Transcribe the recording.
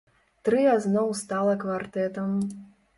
Трыа зноў стала квартэтам.